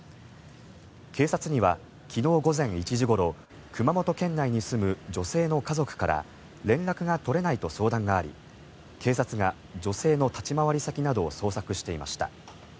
警察には昨日午前１時ごろ熊本県内に住む女性の家族から連絡が取れないと相談があり警察が女性の立ち回り先などを捜索していました。